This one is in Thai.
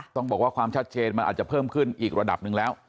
ต้องบอกว่าความชัดเจนมันอาจจะเพิ่มขึ้นอีกระดับหนึ่งแล้ว